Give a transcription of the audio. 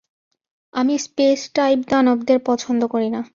আমি space type দানবদের পছন্দ করি না!